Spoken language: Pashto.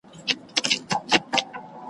هسی نه چي را ته په قار یا لږ ترلږه خوابدي سي ,